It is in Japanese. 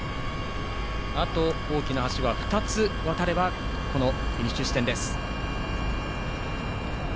あと、大きな橋を２つ渡ればフィニッシュ地点です。